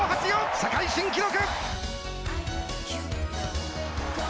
世界新記録！